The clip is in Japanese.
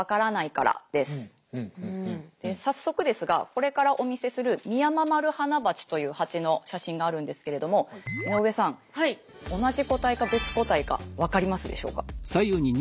早速ですがこれからお見せするミヤママルハナバチというハチの写真があるんですけれども井上さん同じ個体か別個体か分かりますでしょうか？